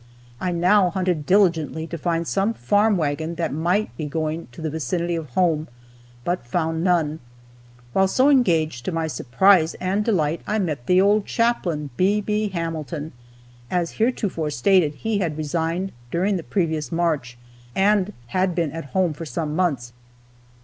I now hunted diligently to find some farm wagon that might be going to the vicinity of home, but found none. While so engaged, to my surprise and great delight, I met the old Chaplain, B. B. Hamilton. As heretofore stated, he had resigned during the previous March and had been at home for some months.